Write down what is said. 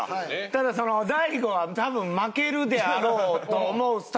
ただ大悟は多分負けるであろうと思うスタッフのせいで。